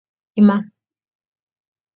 Iman?